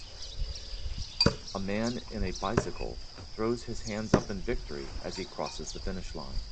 A man in a bicycle throws his hands up in victory as he crosses the finish line.